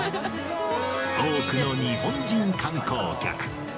多くの日本人観光客。